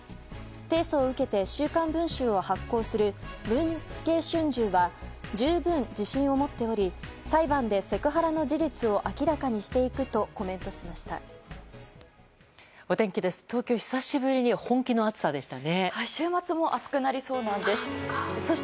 提訴を受けて「週刊文春」を発行する文藝春秋は十分自信を持っており裁判でセクハラの事実を明らかにしていくとコメントしました。